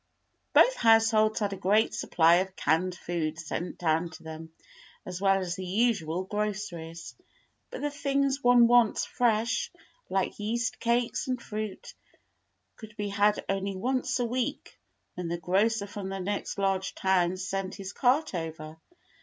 Both households had a great supply of canned food sent down to them, as well as the usual groceries; but the things one wants fresh, like yeast cakes and fruit, could be had only once a week, when the grocer from the next large town sent his cart over.